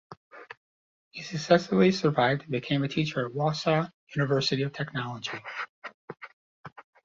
He successfully survived and became a teacher at Warsaw University of Technology.